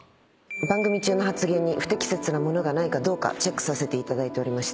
番組中の発言に不適切なものがないかどうかチェックさせていただいておりました。